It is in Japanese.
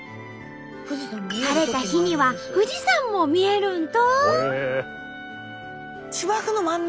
晴れた日には富士山も見えるんと！